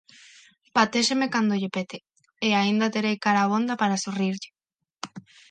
Patéxeme canto lle pete, e aínda terei cara abonda para sorrirlle...